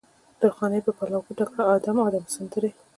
درخانۍ په پلو غوټه کړه ادم، ادم سندرې